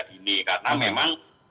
dini karena memang